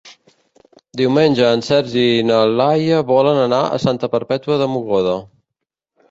Diumenge en Sergi i na Laia volen anar a Santa Perpètua de Mogoda.